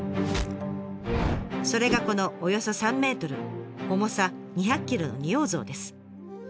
それがこのおよそ３ｍ重さ２００キロの仁王像です。